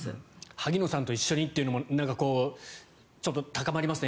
萩野さんと一緒にというのもちょっと高まりますね。